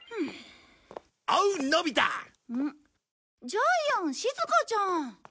ジャイアンしずかちゃん！